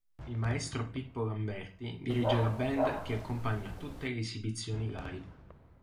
Il maestro Pippo Lamberti dirige la band che accompagna tutte le esibizioni live.